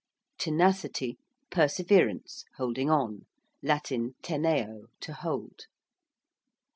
~tenacity~: perseverance, holding on. (Latin teneo, to hold.)